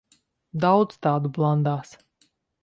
Daudz tādu blandās.